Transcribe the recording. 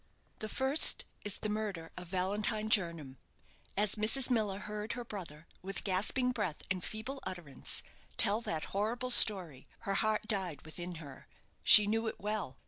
The first is, the murder of Valentine Jernam. As Mrs. Miller heard her brother, with gasping breath and feeble utterance, tell that horrible story, her heart died within her. She knew it well.